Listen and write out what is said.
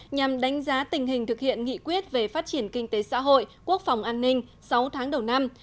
nhằm đánh giá tình hình thực hiện nghị quyết về phát triển kinh tế xã hội quốc phòng an ninh sáu tháng đầu năm